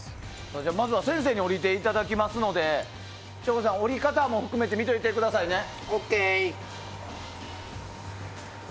まずは先生に下りていただきますので省吾さん、下り方も含めて見ておいてください。ＯＫ。